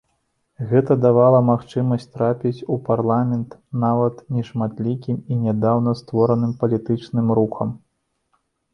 Гэта давала магчымасць трапіць у парламент нават нешматлікім і нядаўна створаным палітычным рухам.